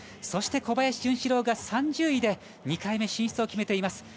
そして、小林潤志郎が３０位で２回目進出を決めています。